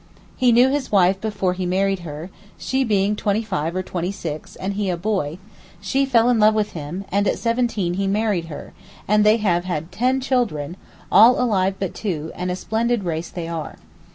He knew his wife before he married her, she being twenty five or twenty six, and he a boy; she fell in love with him, and at seventeen he married her, and they have had ten children, all alive but two, and a splendid race they are.